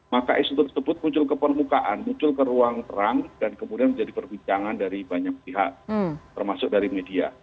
maka isu tersebut muncul ke permukaan muncul ke ruang terang dan kemudian menjadi perbincangan dari banyak pihak termasuk dari media